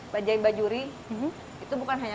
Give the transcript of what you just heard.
bajai bajuri itu bukan hanya